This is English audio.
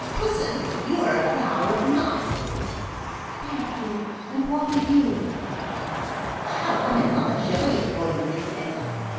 Pussum, you are a flower of mud." "Thank you—and what are you?" "Oh, I'm another, surely, according to this letter!